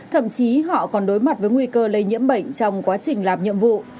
thậm chí họ còn đối mặt với nguy cơ lây nhiễm bệnh trong quá trình làm nhiệm vụ